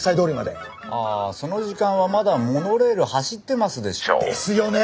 あその時間はまだモノレール走ってますでしょ。ですよね！